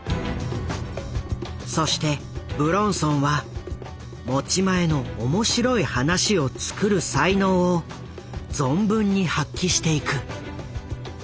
そして武論尊は持ち前の「面白い話を作る」才能を存分に発揮していく。